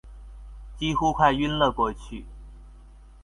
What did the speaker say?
几乎快晕了过去